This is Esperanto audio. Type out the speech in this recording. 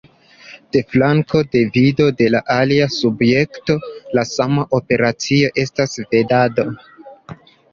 De flanko de vido de la alia subjekto la sama operacio estas vendado.